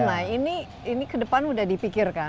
nah ini ke depan sudah dipikirkan